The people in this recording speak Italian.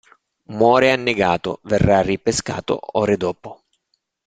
Muore annegato, verrà ripescato ore dopo.